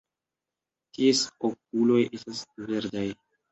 Ties okuloj estas verdaj.